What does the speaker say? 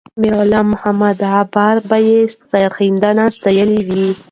میرغلام محمد غبار به یې سرښندنه ستایلې وي.